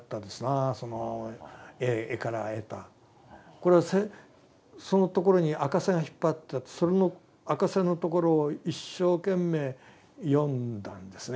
これはそのところに赤線が引っ張ってあってそれの赤線のところを一生懸命読んだんですね